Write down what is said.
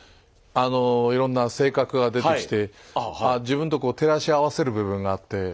あのいろんな性格が出てきて自分とこう照らし合わせる部分があって。